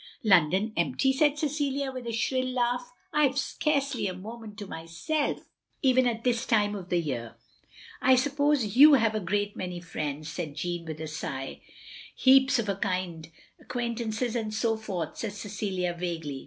" "London empty!" said Cecilia, with a shrill laugh, " I have scarcely a moment to myself, even at this time of the year. "I suppose you have a great many friends," said Jeanne, with a sigh. "Heaps — of a kind — ^acquaintances and so forth," said Cecilia vaguely.